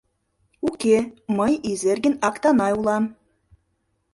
— Уке, мый Изергин Актанай улам.